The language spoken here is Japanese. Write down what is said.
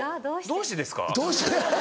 「どうしてですか？」。